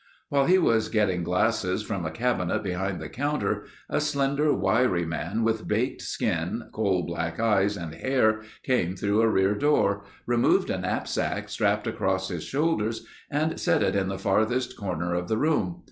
While he was getting glasses from a cabinet behind the counter, a slender, wiry man with baked skin, coal black eyes and hair came through a rear door, removed a knapsack strapped across his shoulders and set it in the farthest corner of the room.